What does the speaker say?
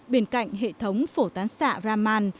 bên cạnh hệ thống phổ tán xạ raman